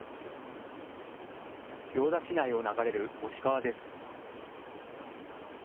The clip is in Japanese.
行田市内を流れる忍川です。